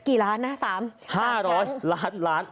กี่ล้านนะ๓ครั้ง